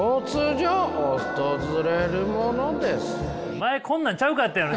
前こんなんちゃうかったよね